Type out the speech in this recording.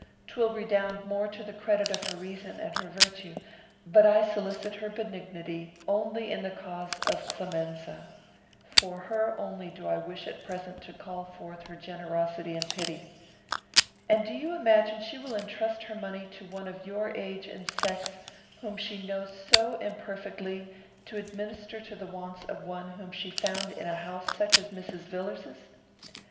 'Twill redound more to the credit of her reason and her virtue. But I solicit her benignity only in the cause of Clemenza. For her only do I wish at present to call forth her generosity and pity." "And do you imagine she will intrust her money to one of your age and sex, whom she knows so imperfectly, to administer to the wants of one whom she found in such a house as Mrs. Villars's?